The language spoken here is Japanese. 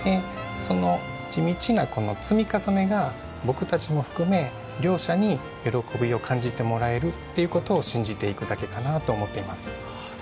その地道な積み重ねが僕たちも含め両者に喜びを感じてもらえるっていうことを信じていくだけかなと思っています。